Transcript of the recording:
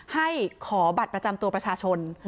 ให้ขอบัตรประจำตัวประชาชน